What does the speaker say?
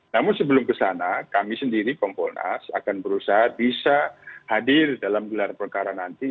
namun sebelum kesana kami sendiri kompolnas akan berusaha bisa hadir dalam gelar perkara nanti